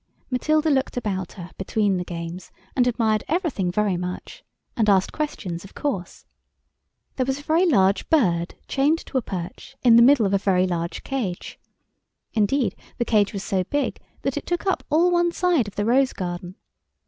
Matilda looked about her between the games and admired everything very much, and asked questions, of course. There was a very large bird chained to a perch in the middle of a very large cage. Indeed the cage was so big that it took up all one side of the rose garden.